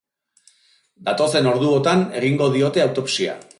Datozen orduotan egingo diote autopsia.